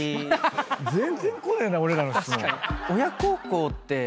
全然こねえな俺らの質問。